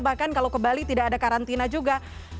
bahkan kalau ke bali tidak ada karantina juga